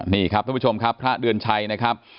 นี่ครับท่านผู้ชมครับพระเดือนชัยนะครับ